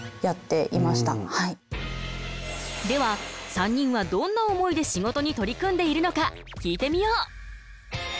では３人はどんな思いで仕事に取り組んでいるのか聞いてみよう。